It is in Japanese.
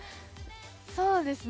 そうですね。